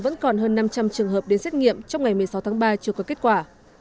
vẫn còn hơn năm trăm linh trường hợp đến xét nghiệm trong ngày một mươi sáu tháng ba chưa có kết quả